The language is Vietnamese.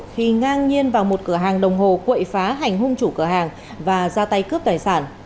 khi ngang nhiên vào một cửa hàng đồng hồ quậy phá hành hung chủ cửa hàng và ra tay cướp tài sản